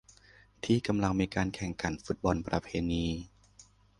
ที่กำลังมีการแข่งขันฟุตบอลประเพณี